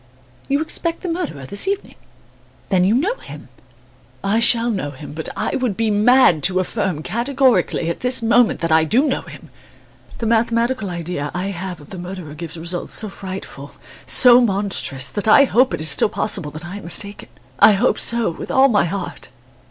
"You expect the murderer this evening? Then you know him?" "I shall know him; but I should be mad to affirm, categorically, at this moment that I do know him. The mathematical idea I have of the murderer gives results so frightful, so monstrous, that I hope it is still possible that I am mistaken. I hope so, with all my heart!"